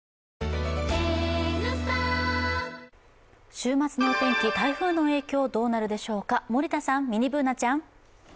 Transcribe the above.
週末のお天気、台風の影響どうなるでしょうか森田さん、ミニＢｏｏｎａちゃん。